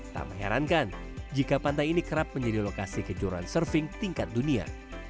tak mengherankan jika pantai ini kerap menjadi lokasi kejuaraan surfing tingkat dunia